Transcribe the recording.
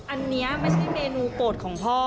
อันนี้ไม่ใช่เมนูโปรดของพ่อ